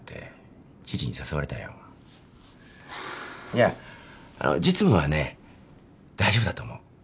いや実務はね大丈夫だと思う。